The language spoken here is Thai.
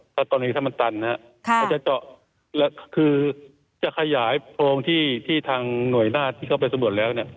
เพราะตอนนี้ถ้ามันตันมันจะเจาะและคือจะขยายโพงที่ทางหน่วยหน้าที่เข้าไปสมบูรณ์แล้ว